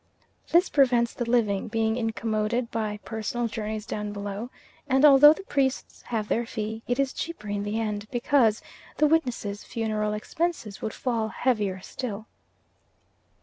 This prevents the living being incommoded by personal journeys down below, and although the priests have their fee, it is cheaper in the end, because the witnesses' funeral expenses would fall heavier still.